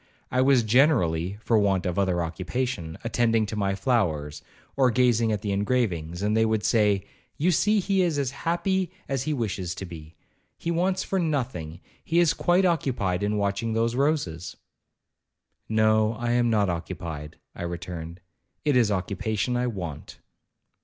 I was generally (for want of other occupation) attending to my flowers, or gazing at the engravings,—and they would say, 'You see he is as happy as he wishes to be—he wants for nothing—he is quite occupied in watching those roses.' 'No, I am not occupied,' I returned, 'it is occupation I want.'